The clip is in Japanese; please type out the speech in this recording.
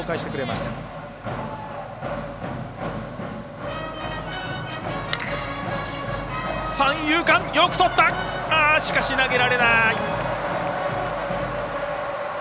しかし、投げられない。